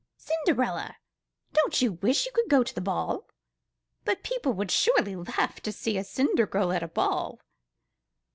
"Cinderella, don't you wish you could go to the ball? But people would surely laugh to see a cinder girl at a ball!"